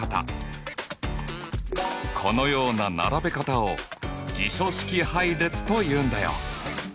このような並べ方を辞書式配列というんだよ。